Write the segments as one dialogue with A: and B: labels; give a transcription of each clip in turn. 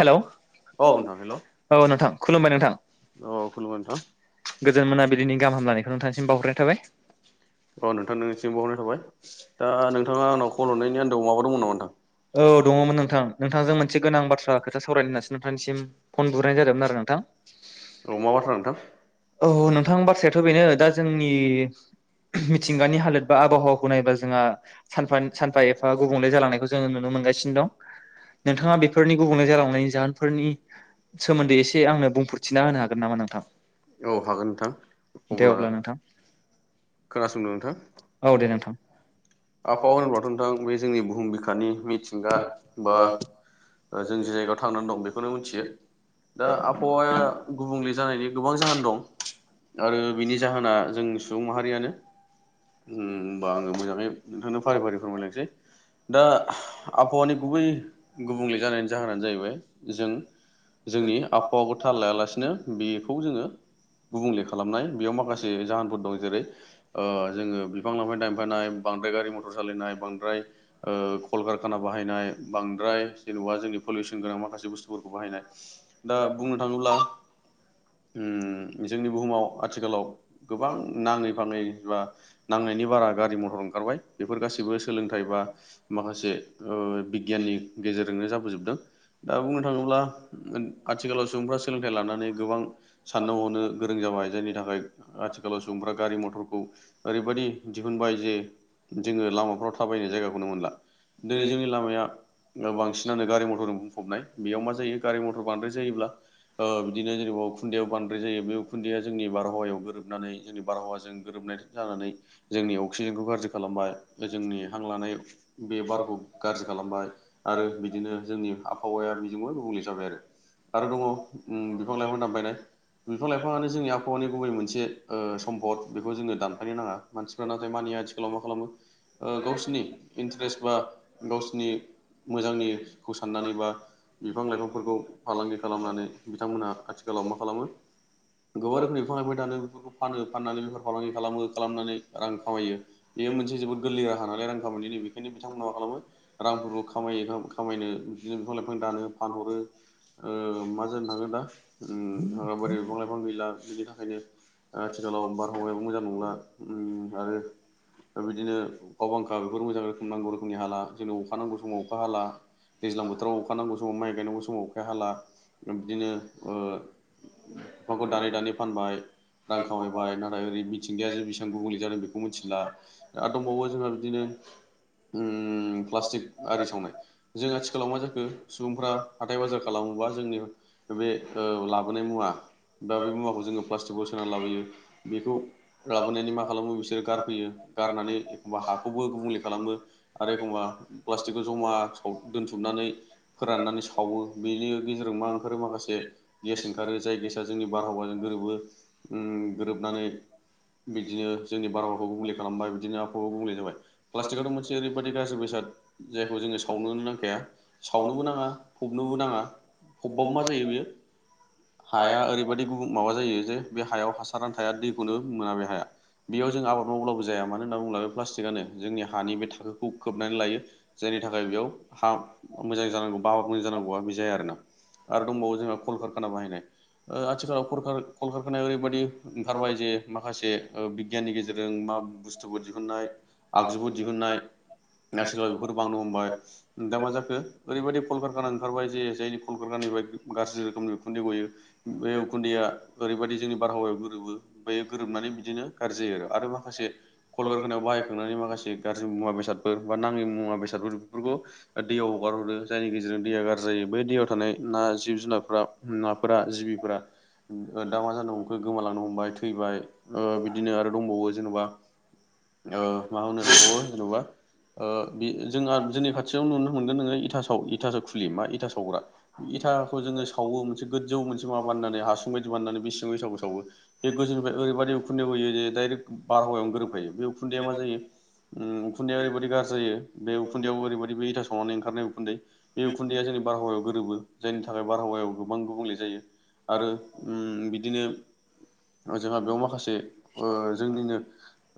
A: Hello औ
B: नोंथां hello
A: - औ नोंथां खुलुमबाय नोंथां
B: औ खुलुमबाय नोंथां
A: गोजोन मोनाबिलिनि गाहाम हामलानायखौ नोंथां सिम बावहरनाय थाबाय
B: औ नोंथां नोंनिसिम बावहरनाय थाबाय दा नोंथाङा आंनाव कल हरनायनि जाहोन
A: औ दङमोन नोंथां नोंथांजों मोनसे गोनां बाथ्रा खोथा सावरायनो होनसो नोंथांनिसिम फन बुहनाय जादोंमोन आरो नोंथां
B: औ मा बाथ्रा नोंथां
A: [unintelligible] औ नोंथां बाथ्रायाथ' बेनो दा जोंनि मिथिंगानि हालोद बा आबहावाखौ नायोबा जोंहा सानफा सानफा एफा गुबुंले जालांनायखौ जोंङो नुनो मोनगासिनो दं नोंथाङा बेफोरनि गुबुंले जालांनायनि जाहोनफोरनि सोमोन्दै एसे आंनो बुंफु
B: औ हागोन नोंथां
A: दे
B: अब्ला
A: नोंथां
B: खोनासंदों नोंथां
A: औ दे नोंथां
B: आबहावा होनोबाथ' नोंथां जोंनि बुहुम बिखानि मिथिंगा बा जों जे जायगायाव थांनानै दं बेखौनो मिथियो दा आबहावाया गुबुंले जानायनि गोबां जाहोन दं आरो बिनि जाहोना जों सुबुं माहारियानो उम होमबा आङो मोजाङै नोंथांनो फारि - फारि फोरमायलांसै दा आबहावानि गुबै गुबुंले जानायनि जाहोनानो जाहैबाय जों जोंनि आबहावाखौ थाल लायालासिनो बेखौ जोङो गुबुंले खालामनाय बेयाव माखासे जाहोनफोर दं जेरै ओ जोङो बिफां लाांफां दफायनाय बांद्राय गारि - मथर सालायनाय बांद्राय ओ कलकारखाना बाहायनाय बांद्राय जेन'बा जोंनि पलिउसन गोनां माखासे बुस्थुफोरखौ बाहायनाय दा बुंनो थाङोब्ला ओ कलकारखाना बाहायनाय बांद्राय जेन'बा जोंनि पलिउसन गोनां माखासे बुस्थुफोरखौ बाहायनाय दा बुंनो थाङोब्ला खारबाय बेफोर गासैबो सोलोंथाइ बा माखासे ओ बिगियाननि गेजेरजोंनो जाबोजोबदों दा बुंनो थाङोब्ला आथिखालाव सुबुंफ्रा सोलोंथाइ लानानै गोबां साननो हनो गोरों जाबाय जायनि थाखाय आथिखालाव सुबुंफ्रा गारि मथरखौ ओरैबायाददि दिहुनबाय जे जोङो लामाफ्राव थाबायनाय जायगाखौनो मोनला दिनै जोंनि लामाया बांसिनानो गारि मथरजों बुंफबनाय बेयाव मा जायो गारि मथर बांद्राय जायोब्ला ओ बिदिनो जेनेबा खुन्दैआव बांद्राय जायो बे उखुन्दैया जोंनि बारहावायाव गोरोबनानै जोंनि बारहावाजों गोरोबनाय जानानै जोंनि अक्सिजेनखौ गाज्रि खालामबाय जोंनि हां लानाय बे बारखौ गाज्रि खालामबाय आरो बिदिनो जोंनि आबहावाया बेजोंबो गुबुंले जाबाय आरो आरो दङ उम बिफां लाइफां दामबायनाय बिफां लाइफाङानो जोंनि आबहावानि गुबै मोनसे ओ सम्द बेखौ जोङो दानफायनो नाङा मानसिफोरा्रा नाथाय मानिया आथिख खालाव मा खालामो ओ गावसिनि इन्टारेस्ट बा गावसिनि मोजांनिखौ साननानै बा बिफां लाइफांफोरखौ फालांगि खालामनानै बिथांमोनहा आथिखालाव मा खालामो गोबां रोखोमनि बिफां लाइफाय दानो बेफोरखौ फानो फाननानै बेफोर फालांगि खालामो खालामनानै रां खामायो बेयो मोनसे जोबोद गोरलै राहा नालाय रां खामानि बेखायनो बिथांमोना मा खालामो रांफोरखौ खामायो खामायनो बिदिनो बिफां लाइफां दानो फानहरो ओ मा जानो थाङो दा उम बिइफां लाइफां गैला बिनि थाखायनो ओ आथिखालाव बारहावायाबो मोजां नंला उम आरो दा बिदिनो अखा बांखा बेफोर मोजां रोखोम नांगौ रोखोमनि हाला जोंनो अखा नांगौ समाव अखा हाला दैज्लां बोथोराव अखा नांगौ समाव माइ गायनांगौ समाव अखा हाला बिदिनो ओ बिफांखौ दानै दानै फानबाय रां खामायबाय नाथाय ओरै मिथिंगाया जे बिसेबां गुबुंले जादों बेखौ मिथिला दा दंबावो जोंहा बिदिनो उम प्लास्टिक आरि सावनाय जों आथिखालाव मा जाखो सुबुंफोरा हाथाय बाजार खालामोबा जोंनि बे ओ लाबोनाय बा बे मुवाखौ जोङो प्लास्टिक ब सोनानै लाबोयो बेखौ लाबोनायानै मा खालामो बिसोरो गारफैयो। गारनानै एखमबा हाखौबो गुबुंले खालामो आरो एखमबा प्लास्टिकखौ जमा दोनथुमनानै फोराननानै सावो बेनि गेजेरजों मा ओंखारो माखासे गेस ओंखार जायगायसा जोंनि बारहावाजों गोरोबो गोरोबनानै बिदिनो जोंनि बारहावाखौ गुब्ले खालामबाय बिदिनोखौ बुंलनाय जाबाय प्लास्टिकआथ' मोनसे ओरैबायादि गाज्रि बेसाद जायखौ जोङो सावनो नांखाया सावनोबो नाङा फबनोबो नाङा फबबाबो मा जायो बियो। हाया ओरैबायदि गुब माबा जायो जे बे हायाव हासारान थाया दैखौनो मोना बे हाया बेयाव जों आबाद मावब्लाबो जों जाया मानो होनना बुङोब्ला बे प्लास्टिकआनो जोंनि हानि बे थाखोखौ खोबनानै लायो जायनि थाखाय बेयाव हा मोजां जानांगौ बाबार मोजां जानांगौआ बे जाया आरोना आरो दंबावो जोंहा कलकारखाना बाहायनाय आथिखालाव कलकारखानाया ओरैबायाददि ओंखारबाय जे माखासे बिगियाननि गेजेरजों मा बुस्थुबो दिहुननाय आगजुबो दिहुनाय आखालाव बेफोर बांनो हमबाय दा मा जाखो ओरैबायदि कलकारखाना ओंखारबाय जे जायनि फलकारखानिफ्राय गाज्रि रोखोमनि बिखुन्दै गयो। बे उखुन्दैया ओरैबायदि जोंनि बारहावायाव गोरोबो ओमायो गोरोबनानै बिदिनो गाज्रि जायो आरो आरो माखासे कलगारखोनायाव बाहायखांनानै माखासे गाज्रि मुवा बेसादफोर बा नाङि मुवा बेसादफोर बेफोरखौ दैयाव हगारहरो जायनि गेजेरजों दैया गाज्रि जायो बै दैयाव थानाय ना जिब जुनारफोरा नाफोरा फोर दा मा जानो हमखो गोमालांनो हमबाय थैबाय बिदिनो आरो दंबावो जेन'बा ओ मा होनो बेखौबो जेन'बा ओ बि जोंहा जोंनि खाथियाव नुनो मोनगोन नोङो इथा साव इथासाव खुलि मा इथा सावग्रा इथाखौ जोङो सावो मोनसे गोजौ जौ माबा बानायनानै हासुं बायदि बानायनानै बे सिङाव‌ इथाखौ सावो बे गोजौनिफ्राय ओरैबादि उखुन्दै गुयो जे डायरेक्ट बारहावायाव गोरोब फायो बे उखुन्दैया मा जायो उम उखुन्दैया ओरैबादि बादि गाज्रि जायो बे उखुन्दै ओरैबादिबो इथा सावनानै ओंखारनाय उखुन्दै बे उखुन्दैया जोंनि बारहावायाव गोरोबो जायनि थाखाय बारहावायाव गोबां गुबुंले जायो आरो उम बिदिनो ओ जोंहा बेयाव माखासे ओ जोंनिनो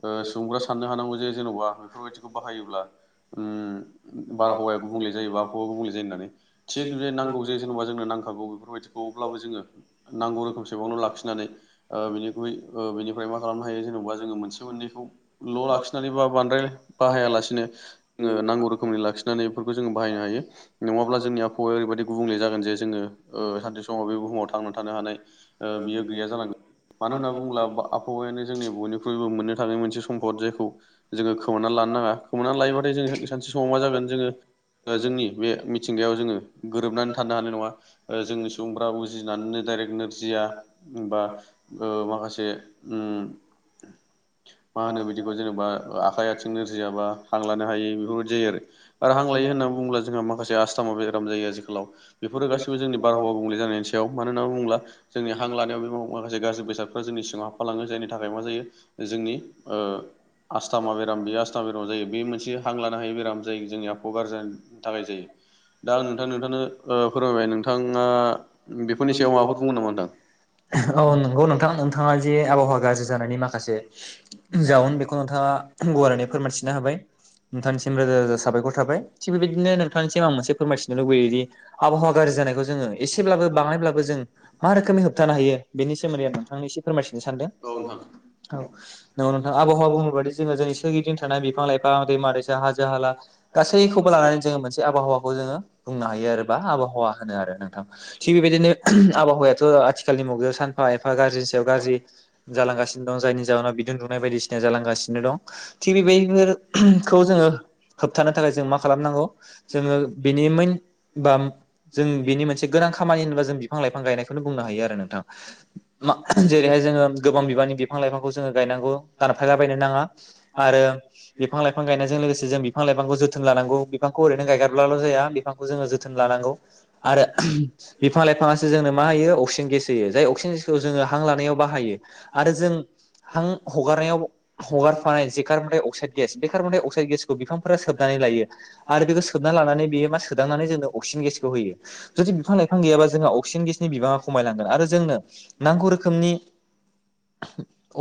B: ओ सुबुंफ्रा साननो हानांगौ जे जेन'बा बेफोरबायदिखौ बाहायोब्ला उम बारहावाया गुबुंले जायोबा आबहावाया गुबुंले जायो होननानै थिग बे नांगौ जे जेनेबा जोंनो नांखागौ बेफोरबायदिखौ अब्लाबो जोङो नांगौ रोखोमसेबावनो लाखिनानै ओ बेनिख्रुइ ओ बेनिफ्राय मा खालामनो हायो जेनेबा‌‌ जोङो मोनसे उन्दै उन्दैखौ ल' लाखिनानै बा बांद्राय बाहायालासिनो जोङो नांगौ रोखोमनि लाखिनानै बेफोरखौ जोङो बाहायनो हायो नङाब्ला जोंनि आबहावाया ओरैबायदि गुबुंले जागोन जे जोङो ओ सानसे सम अ बे बुहुमाव थांना थानो हानाय ओ बियो गैया जालांगोन मानो होनना बुङोब्ला आब आबहावायानो जोंनि बयनिख्रुइबो मोननो हानाय मोनसे सम्पद जायखौ जोङो खोमोना लानो नाङा खोमोना लायोबाथाय जोङो सानसे समाव मा जागोन जोङो ओ जोंनि बे मिथिंगायाव जोङो गोरोबनानै थानो हानाय नङा ओ जोंनि सुबुंफोरा गिनानैनो डायरेक्ट नोरजिया बा ओ माखासे उम मा होनो बिदिखौ जेनेबा आखाइ आथिं नोरजियाबा हां लानो हायि बेफोरबायदि जायो आरो आरो हां लायो होननानै बुङोब्ला जोंहा माखासे आस्थामा बेराम जायो आजिखालाव बेफोरो गासिबो जोंनि बारहावा बुंले जानायनि सायाव मानो होननानै बुङोब्ला जोंनि हां लानायाव बे माखासे गाज्रि बेसादफ्रा जोंनि सिगङाव हाबफालाङो जायनि थाखाय मा जायो जोंनि ओ आस्थमा बेराम बे आस्थामा बेरामा जायो बे मोनसे हां लानो हायै बेराम जायो जोंनि आबहा गारजि‌ जानायनि थाखाय जायो दा आं नोंथां नोंथांनो ओ फोरमायबाय नोंथाङा बेफोरनि सायाव माबाफोर बुंङो नामा नोंथां?
A: औ नंगौ नोंथां नोंथाङा जे आबहावा गाज्रि जानायनि माखासे जाउन बेखौ नोंथाङा गुवारैनो फोरमायथिनो हाबाय नोंथांनिसिम रोजा रोजा साबायखर थाबाय थिग बेबायदिनो नोंथांनिसिम आं मोनसे फोरमायथिनो लुबैयोदि आबहावा गाज्रि जानायखौ जोङो एसेब्लाबो बाङायब्लाबो जों मा रोखोमै होबथानो हायो बेनि सोमोन्दै आं नोंथांनि एसे फोरमायथिनो सानदों।
B: औ नोंथां
A: नंगौ नोंथां आबहावा बुङो बादि जोङो जोंनि सोरगिदिं थानाय बिफां लाइफां दैमा दैसा हाजो हाला गासैखौबो लानानै जोङो मोनसे आबहावाखौ जोङो बुंनो हायो आरो बा आबहावा होनो आरो नोंथां थिग बेबायदिनो आबहावायाथ' आथिखालनि मुगायाव सानफा एफा गाज्रिनि सायाव गाज्रि जालांगासिनो दं जायनि दुंनाय बायदिसिना जालांगासिनो दं थिग बेबायदिफोरखौ जोङो होबथानो थाखाय जों मा खालामनांगौ जोङो बेनि मोन बा जों बेनि मोनसे गोनां खामानि होनोबा जों बिफां लाइफां गायनायखौनो बुंनो हायो आरो नोंथां मा जेरैहाय जोङो गोबां बिबांनि बिफां लाइफां खौ जोङो गायनांगौ। दानफायला बायनो नाङा आरो बिफां लाइफां गायनायजों लोगोसे जों बिफां लाइफांखौ जोथोन लानांगौ बिफांखौ ओरैनो गायगारब्लाल' जाया बिफांखौ जोङो जोथोन लानांगौ आरो बिफां लाइफाङासो जोंनो मा होयो अक्सिजेन गेस होयो जाय अक्सिजेन गेसखौ जोङो हां लानायाव बाहायो आरो जों हां हगारनायाव हगारफानाय जि कार्बन डाइ अक्साइड गेस बे कार्बन डाइ अक्साइड गेसखौ बिफांफोरा सोबनानै लायो आरो बेखौ सोबना लानानै बेयो मा सोदांनानै जोंनो अक्सिजेन गेसखौ होयो जुदि बिफां लाइफां गैयाबा जोंहा अक्सिजेन गेसनि बिबाङा खमायलांगोन आरो जोंनो नांगौ रोखोमनि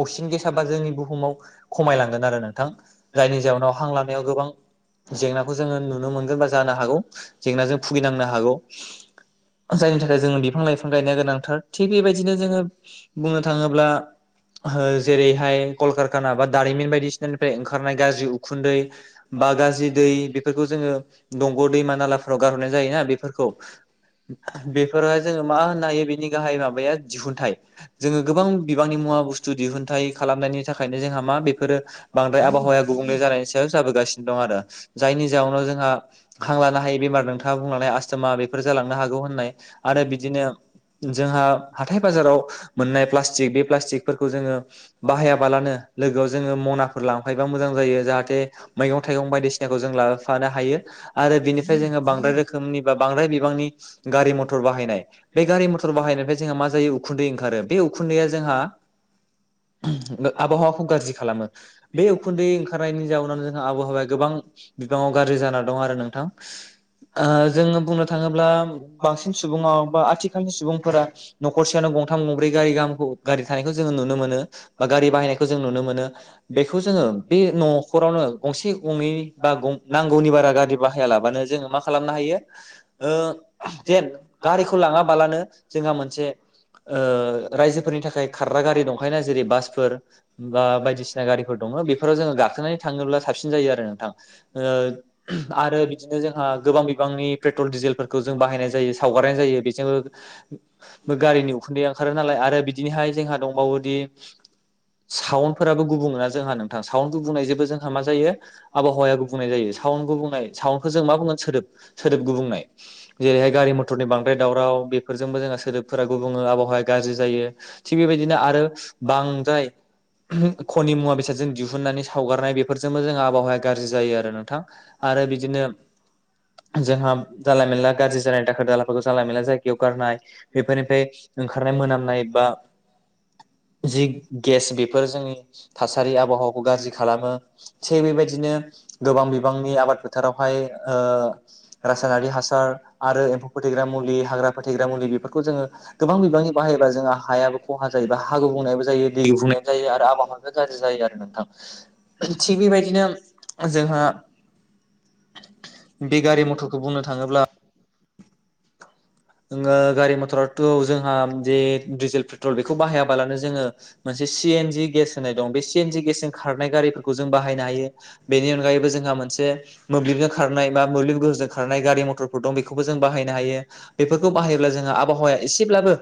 A: अक्सिजेन गेस थाबा जोंनि बुहुमाव खमायलांगोन आरो नोंथां जायनि जउनाव हां लानायाव गोबां जेंनाखौ जोङो नुनो मोनगोन बा जानो हागौ जेंनाजों भुगिनांनो हागौ जायनि थाखाय जों बिफां लाइफां गायनाया गोनांथार थिग बेबायदिनो जोङो बुंनो थाङोब्ला [inaudible] जेरैहाय कलकारखाना बा दारिमिन बायदिसिनानिफ्राय ओंखारनाय गाज्रि उखुन्दै बा गाज्रि दै बेफोरखौ जोङो दंग' दैमा नालाफोराव गारहरनाय जायोना बेफोरखौ बेफोरावहाय जोङो मा होननो हायो बेनि गाहाय माबाया दिहुनथाइ जोङो गोबां बिबांनि मुवा बुस्थु बुस्थु दिहुनथाइ खालामनायनि थाखायनो जोंहा मा बेफोरो बांद्राय आबहावाया गुबुंले जानायनि सायाव जाबोगासिनो दं आरो जायनि जाउनाव जोंहा हांलानो हायै बेमार नोंथा बुंलांनाय आस्थोमा बेफोर जालांनो हागौ होननाय आरो बिदिनो जोंहा हाथाइ बाजाराव मोननाय प्लास्टिक बे प्लास्टिक खौ जोङो बाहायाबालानो लोगोआव जोङो मनाफोर लांफायोबा मोजां जायो जाहाथे मैगं थाइगं बायदिसिनाखौ जों लाबोफानो हायो आरो बेनिफ्राय जोङो बांद्राय रोखोमनि बा बांद्राय बिबांनि गारि मथर बाहायनाय बे गारि मथर बाहायनायनिफ्राय जोंहा मा जायो उखुन्दै ओंखारो बे उखुन्दैया जोंहा ओहम आबहावाखौ गाज्रि खालामो बे उखुन्दै ओंखारनायनि जाउनाव जोंहा आबहावाया गोबां बिबाङाव गाज्रि जाना दं आरो नोंथां ओ जोङो बुंनो थाङोब्ला बांसिन सुबुङाव बा आथिखालनि सुबुंफोरा न'खरसेयावनो गंथाम गंब्रै गारि गाहाम गारि थानायखौ जोङो नुनो मोनो बा गारि बाहायनायखौ जों नुनो मोनो बेखौ जोङो बे न'खरावनो गंसे गंनै बा गं नांगौनि बारा गारि बाहायालाबानो जोङो मा खालामनो हायो ओ जेन गारिखौ लाङाबालानो जोंहा मोनसे ओ रायजोफोरनि थाखाय खारग्रा गारि दंखायोना जेरै बासफोर बा बायदिसिना गारिफोर दङ' बेफोराव जोङो गाखोनानै थाङोब्ला साबसिन जायो आरो नोंथां ओ ओह आरो बिदिनो जोंहा गोबां बिबांनि पेट्रल डिजेलफोरखौ जों बाहायनाय जायो सावगारनाय जायो बेजोंबो गारिनि उखुन्दै ओंखारो नालाय आरो बिदिनिहाय दंबावोदि साउन्डफोराबो गुबुङो ना जोंहा नोंथां साउन्ड गुबनायजोंबो जोंहा मा जायो आबहावाया गुबुंनाय जायो साउन्ड गुबुंनाय साउन्डखौ जों मा बुङो सोदोब सोदोब गुबुंनाय जेरैहाय गारि मथरनि बांद्राय दावराव बेफोरजोंबो जोंहा सोदोबफोरा गुबुङो आबहावाया गाज्रि जायो थिग बेबायदिनो आरो बांद्राय ओहुम खनि मुवा बेसादजों दिहुननानै सावगारनाय बेफोरजोंबो जोंहा आबहावाया गाज्रि जायो आरो नोंथां आरो बिदिनो जोंहा जान्ला मोन्ला गाज्रि जानाय दाखोर दालाफोरखौ जान्ला मोन्ला जायगायाव गारनाय बेफोरनिफ्राय ओंखारनाय मोनामनाय बा जि गेस बेफोर जोंनि थासारि आबहावाखौ गाज्रि खालामो थिग बेबायदिनो गोबां बिबांनि आबाद फोथारावहाय रासायनारि हासार आरो एम्फौ फोथैग्रा मुलि हाग्रा फोथैग्रा मुलि बेफोरखौ जोङो गोबां बिबांनि बाहायोबा जोङो हायाबो जायोबा हा गुबुंनायबो जायो दै गुबुंनायबो जायो आरो आबहावाबो गाज्रि जायो आरो नोंथां थिग बेबायदिनो जोंहा बे गारि मटरखौ बुंनो थाङोब्ला नोङो गारि मटराथ' जोंहा जे डिजेल बेखौ बाहायाबालानो जोङो मोनसे चि एन जि गेस होनाय दं बे चि एन जि गेसजों खारनाय गारिफोरखौ जों बाहायनो हायो बेनि अनैबो जोंहा मोनसे म्लोब्लिबजों खारनाइ बा मोब्लिब गोहोजों खारनाय गारि मथरफोर दं बेफोरखौबो जों बाहायनो हायो बेफोरखौ बाहायोब्ला जोङो आबहावाया एसेब्लाबो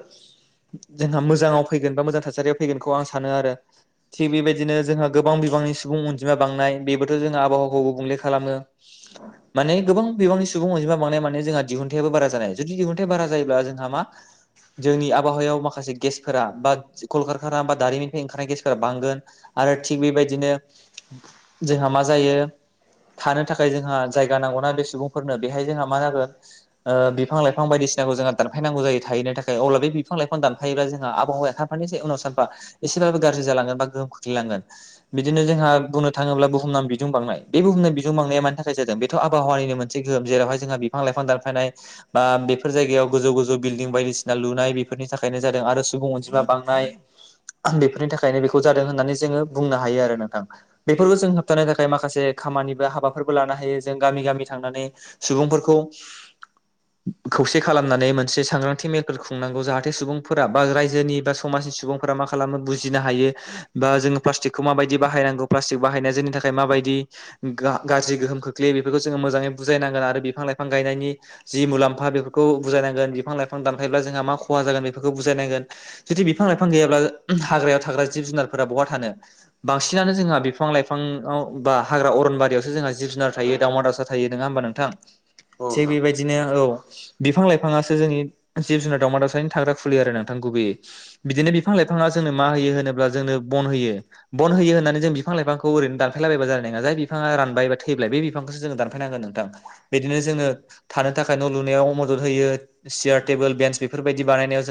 A: जोंहा मोजाङाव फैगोन बा मोजां थासारियाव फैगोनखौ आं सानो आरो थिग बेबायदिनो जोंहा गोबां बिबांनि सुबुं अनजिमा बांनाय बेबोथ' जोंहा आबहावाखौ गुबुंले खालामो माने गोबां बिबांनि सुबुं अनजिमा बांनाया माने जोंहा दिहुन्थाइआबो बारा जानाय जुदि दिहुन्थाइ बारा जायोब्ला जोंहा मा जोंनि आबहावायाव माखासे गेसफोरा बा कल कारकाना बा दारिमिननिफ्राय ओंखारनाय गेसफोरा बांगोन आरो थिग बेबायदिनो जोंहा मा जायो थानो थाखाय जोंहा जायगा नांगौना बे सुबुंफोरनो बेहाय जोंहा मा जागोन ओ बिफां लाइफां बायदिसिनाखौ जोंहा दानफायनांगौ जायो थाहैनो थाखाय अब्ला बे बिफां लाइफां
B: [unintelligible]
A: दानफायोब्ला जोंहा आबहावाानि उनाव सानफा एसेबाबो गाज्रि जालांगोन बा गोहोम खोख्लैलांगोन बिदिनो जोंहा बुंनो थाङोब्ला बुहुमनाम बिदुं बांनाय बे बुहुमनां बिदुं बांनाया मानि थाखाय जादों थ' आबहावानि मोनसे गोहोम जेरावहाय जोंहा बिफां लाइफां दानफायनाय बा बेफोर जायगायाव गोजौ गोजौ बिल्डिं बायदिसिना लुनाय बेफोरनि थाखाय जादों आरो सुबुं अनजिमा बांनाय बेफोरनि थाखायनो बेखौ जादों होननानै जोङो बुंनो हायो आरो नोंथां बेफोरखौ जों होबथानो थाखाय माखासे खामानिबो हाबाफोरबो लानो हायो जों गामि गामि थांनानै सुबुंफोरखौ खौसे खालामनानै मोनसे सांग्रांथि मेलफोर खुंनांगौ जाहा थे सुबुंफोरा बा राज्योनि बा समाजनि सुबुंफोरा मा खालामो बुजिनो हायो बा जोङो प्लास्टिकखौ माबायदि बाहायनांगौ प्लास्टिक बाहायनाया जोंनि थाखाय माबायदि गाज्रि गोहोम खोख्लैयो बेखौ जोङो मोजाङै बुजायनांगोन आरो बिफां लाइफां गायनायनि जि मुलाम्फा बेफोरखौ बुजायनांगोन बिफां लाइफां दानफायोब्ला जोंहा मा ख खहा जागोन बेफोरखौ बुजायनांगोन जुदि बिफां लाइफां गैयाब्ला हाग्रायाव थाग्रा जिब जुनारफोरा बहा थानो बांसिनानो जोंहा बिफां लाइफांआव बा हाग्रा अरनबारियावसो जोंहा जिब जुना दा द ह नोंथां
B: औ
A: बेबायदिनो औ
B: नोंथां
A: बिां लाइां ज द [inaudible] थाग्रा खुलियो आरो नोंथां गुबैयै बिदिनो बिफां लाइफांआ जोंनो मा होयो होनोब्ला जोंनो बन होयो बन होयो होननानै जों बिफां लाइफांखौ ओरैनो दानफायलाबायब्ला जानाय नङा जाय बिफाङा रानबाय थैबाय बे बिफांखौसो जोङो दानफायनांगोन नोंथां बिदिनो जोङो थानो थाखाय न' लुनायाव मदद होयो सियार टेबोल बेन्स बादि बानायनायाव जों